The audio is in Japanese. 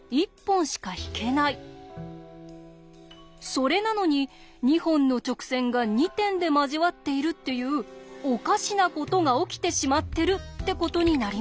それなのに２本の直線が２点で交わっているっていうおかしなことが起きてしまってるってことになります。